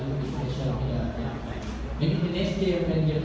อย่างนี้ก็ยังคงพลึกไม่ประมาท